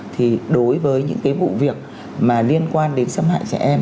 thì đối với những cái vụ việc mà liên quan đến xâm hại trẻ em